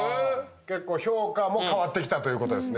結構評価も変わってきたということですね。